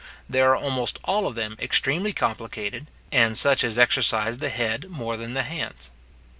They are almost all of them extremely complicated, and such as exercise the head more than the hands.